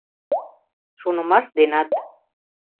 Шонымаш денат.